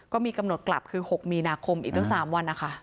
ก็มีกำหนดกลับคือ๖มีนาคมอีกตั้ง๓วันนะคะ